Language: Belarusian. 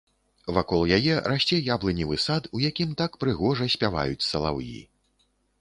Вакол яе расце яблыневы сад, у якім так прыгожа спяваюць салаўі.